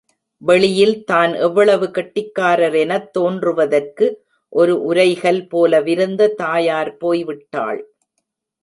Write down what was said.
வெளியில் தான் எவ்வளவு கெட்டிக்காரரெனத் தோன்றுவதற்கு ஒரு உரைகல் போலவிருந்த தாயார் போய்விட்டாள்.